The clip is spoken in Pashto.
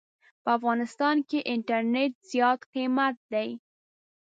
په افغانستان کې انټرنيټ زيات قيمته دي.